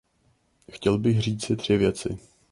Chtěl bych říci tři věci.